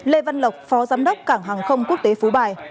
lê văn lộc phó giám đốc cảng hàng không quốc tế phú bài